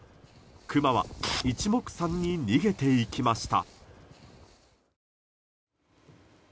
クマは一目散に逃げていきました。